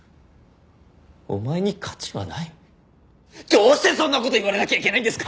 「お前に価値はない」？どうしてそんな事言われなきゃいけないんですか！